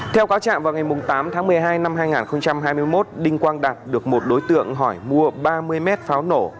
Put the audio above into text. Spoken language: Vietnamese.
theo cáo trạng vào ngày tám tháng một mươi hai năm hai nghìn hai mươi một đinh quang đạt được một đối tượng hỏi mua ba mươi mét pháo nổ